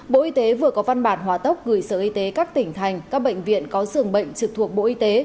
bộ y tế vừa có văn bản hóa tóc gửi sở y tế các tỉnh thành các bệnh viện có xưởng bệnh trực thuộc bộ y tế